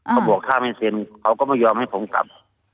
เขาบอกถ้าไม่เซ็นเขาก็ไม่ยอมให้ผมกลับ